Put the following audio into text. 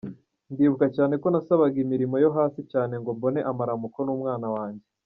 Ndibuka cyane ko nasabaga imirimo yo hasi cyane ngo mbone amaramuko n’umwana wanjye.